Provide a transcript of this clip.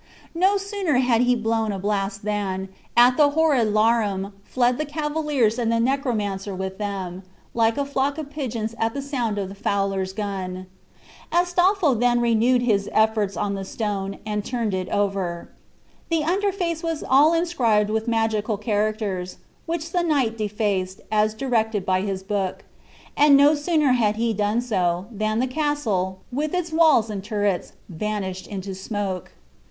No sooner had he blown a blast than, at the horrid larum, fled the cavaliers and the necromancer with them, like a flock of pigeons at the sound of the fowler's gun. Astolpho then renewed his efforts on the stone, and turned it over. The under face was all inscribed with magical characters, which the knight defaced, as directed by his book; and no sooner had he done so, than the castle, with its walls and turrets, vanished into smoke.